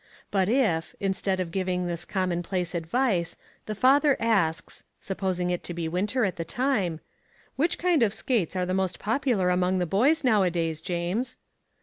But if, instead of giving this common place advice, the father asks supposing it to be winter at the time "Which kind of skates are the most popular among the boys nowadays, James?"